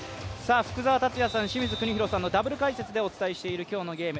福澤達哉さん、清水邦広さんのダブル解説でお伝えしている今日のゲーム。